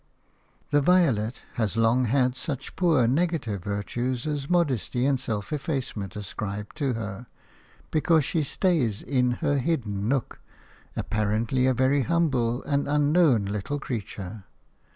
The violet has long had such poor, negative virtues as modesty and self effacement ascribed to her, because she stays in her hidden nook, apparently a very humble and unknown little creature.